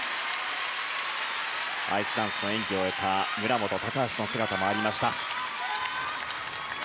アイスダンスの演技を終えた村元、高橋の姿もありました。